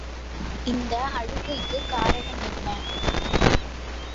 இந்த அழுகைக்குக் காரணம் என்ன?